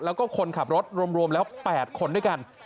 แล้วก็คนขับรถรวมแล้ว๘คนด้วยกัน